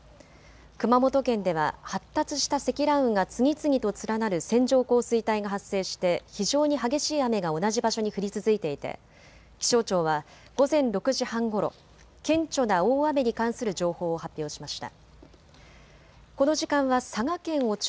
熊本県では発達した積乱雲が次々と連なる線状降水帯が発生して非常に激しい雨が同じ場所に降り続いていて気象庁は午前６時半ごろ、顕著な大雨に関する情報を発表しました。